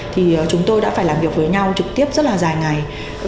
thì chúng tôi đã phải làm việc với nhau trực tiếp rất là dài ngày